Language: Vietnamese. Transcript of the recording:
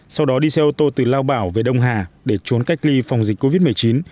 sau đó đi xe ô tô từ lao bảo về đông hà để trốn cách ly phòng dịch covid một mươi chín